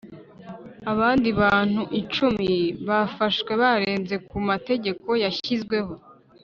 Abandi bantu icumi bafashwe barenze ku mategeko yashyizweho